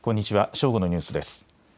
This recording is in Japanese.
正午のニュースです。